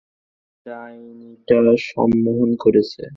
তাকে ডাইনীটা সম্মোহন করেছে।